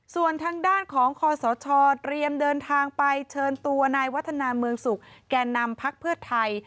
ส่วนทางด้านของคอสชเตรียมเดินทางไปเชิญตัวนายวัฒนาเมืองสุขแก่นำพักเพื่อไทย